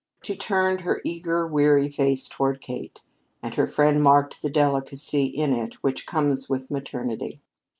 She turned her eager, weary face toward Kate, and her friend marked the delicacy in it which comes with maternity.